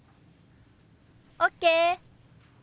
ＯＫ！